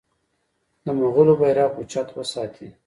د مغولو بیرغ اوچت وساتي.